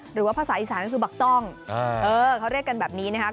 หรือว่าภาษาอีสานก็คือบักต้องเขาเรียกกันแบบนี้นะครับ